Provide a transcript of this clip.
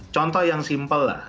contoh yang simpel lah